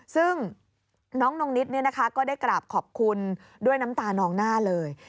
ซึ่งน้องนิดก็ได้กราบขอบคุณด้วยน้ำตานองหน้าเลย